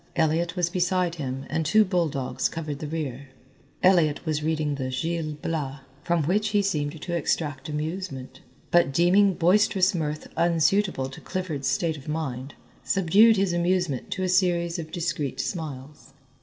Elliott was beside him and two bulldogs covered the rear. Elliott was reading the "Gil Blas," from which he seemed to extract amusement, but deeming boisterous mirth unsuitable to Clifford's state of mind, subdued his amusement to a series of discreet smiles.